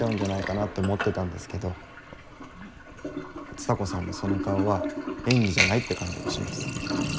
蔦子さんのその顔は演技じゃないって感じがします。